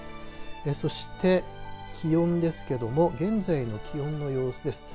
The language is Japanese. そして気温ですけども現在の気温の様子です。